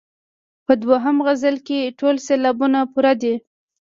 په دوهم غزل کې ټول سېلابونه پوره دي.